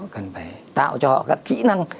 cần phải tạo cho họ các kỹ năng